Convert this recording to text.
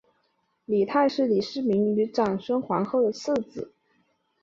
李泰是李世民与长孙皇后的次子。